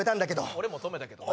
俺も止めたけどな。